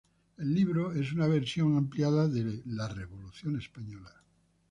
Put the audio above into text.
El libro es una versión ampliada de "La Revolución Española.